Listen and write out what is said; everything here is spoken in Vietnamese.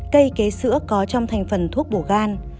cây kế sữa có trong thành phần thuốc bổ gan